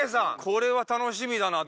これは楽しみだな。